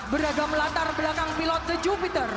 beragam latar belakang pilot the jupiter